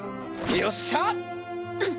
よっしゃ！